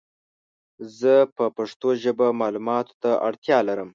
زه په پښتو ژبه مالوماتو ته اړتیا لرم